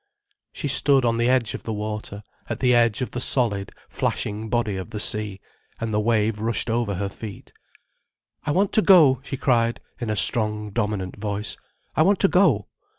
She stood on the edge of the water, at the edge of the solid, flashing body of the sea, and the wave rushed over her feet. "I want to go," she cried, in a strong, dominant voice. "I want to go."